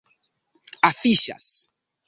afiŝas